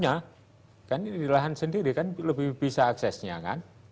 nah kalau bpkh ini punya kan ini lahan sendiri kan lebih bisa aksesnya kan